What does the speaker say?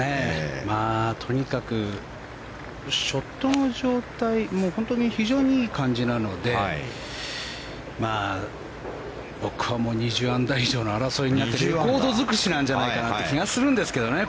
とにかくショットの状態も本当に非常にいい感じなので僕は２０アンダー以上の争いになってレコード尽くしなんじゃないかなと思うんですけどね。